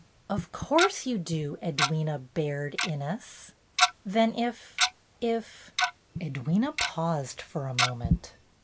"Of course you do, Edwyna Baird Innes." "Then if — if —" Edwyna paused for a moment.